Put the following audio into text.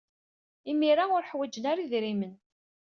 Imir-a, ur ḥwajen ara idrimen.